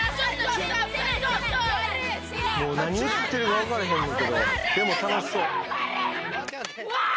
もう何言ってるかわかれへんねんけどでも楽しそうワー！